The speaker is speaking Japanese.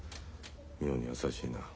妙に優しいな。